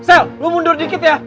michelle lo mundur dikit ya